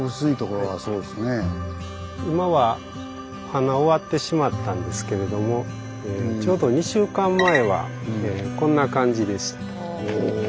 今は花終わってしまったんですけれどもちょうど２週間前はこんな感じでした。